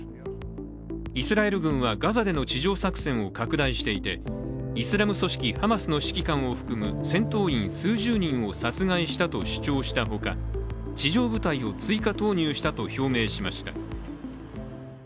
イスラエル軍はガザでの地上作戦を拡大していて、イスラム組織ハマスの指揮官を含む戦闘員数十人を殺害したと主張したほか、地上部隊を追加投入したと表明しました。